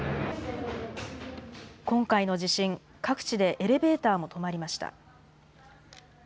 今回の地震、各地でエレベーターも止まりました。